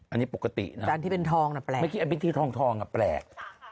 อันนี้ปกตินะครับไม่คิดว่าเป็นที่ทองอ่ะแปลก